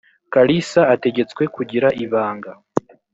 kalisa ategetswe kugira ibanga